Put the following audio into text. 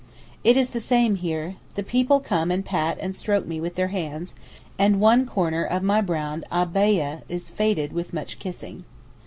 It is the same here. The people come and pat and stroke me with their hands, and one corner of my brown abbaieh is faded with much kissing.